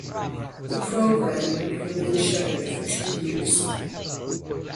The program would remain shuttered for two years.